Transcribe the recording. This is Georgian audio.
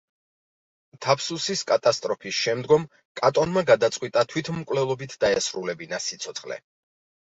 თაფსუსის კატასტროფის შემდგომ კატონმა გადაწყვიტა თვითმკვლელობით დაესრულებინა სიცოცხლე.